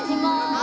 あ。